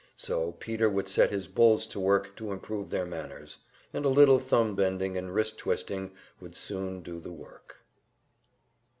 So Peter would set his "bulls" to work to improve their manners, and a little thumb bending and wrist twisting would soon do the work.